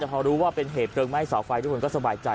แต่พอรู้ว่าเป็นเหตุเพลิงไหม้เสาไฟทุกคนก็สบายใจ